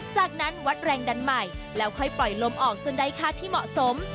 จากนั้นวัดแรงดันใหม่แล้วค่อยปล่อยลมออกจนได้ค่าที่เหมาะสม